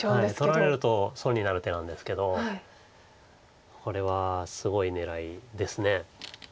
取られると損になる手なんですけどこれはすごい狙いです。